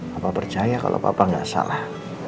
papa percaya kalau papa gak salah